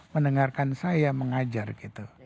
mendengarkan saya mengajar gitu